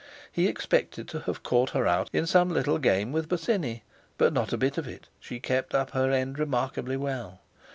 He expected to have caught her out in some little game with Bosinney; but not a bit of it, she kept up her end remarkably well.